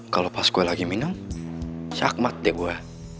kalau pas gue lagi minal syakmat deh gue